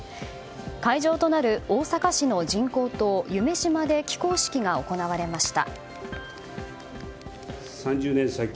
会場となる大阪市の人工島、夢洲で起工式が行われました。